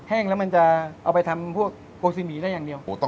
แล้วมันจะเอาไปทำพวกโกซิหมีได้อย่างเดียว